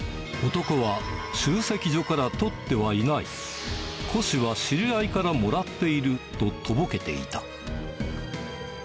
男は集積所からとってはいない、古紙は知り合いからもらっているととぼけていた。